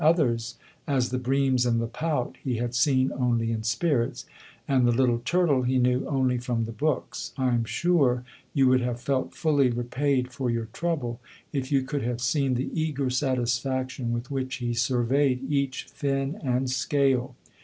Others, as the breams and the pout, he had seen only in spirits, and the little turtle he knew only from the books. I am sure you would have felt fully repaid for your trouble, if you could have seen the eager satisfaction with which he surveyed each fin and scale.